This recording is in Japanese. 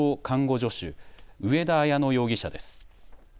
看護助手上田綾乃容疑者です。